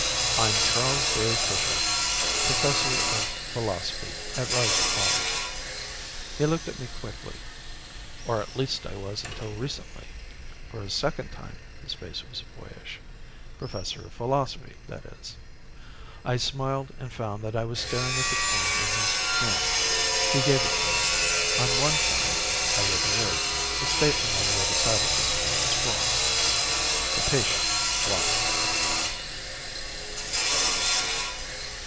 "I'm Charles J. Fisher, professor of philosophy at Reiser College." He looked at me quickly. "Or at least I was until recently." For a second his face was boyish. "Professor of philosophy, that is." I smiled and found that I was staring at the coin in his hand. He gave it to me. On one side I read the words: THE STATEMENT ON THE OTHER SIDE OF THIS COIN IS FALSE. The patient watched....